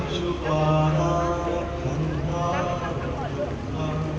สวัสดีครับสวัสดีครับ